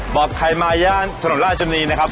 บอกใครมาย่านถนนราชนีนะครับ